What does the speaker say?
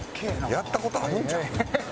やった事あるんちゃう？